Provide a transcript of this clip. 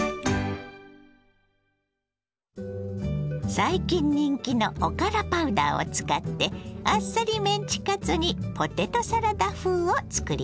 最近人気のおからパウダーを使ってあっさりメンチカツにポテトサラダ風を作ります。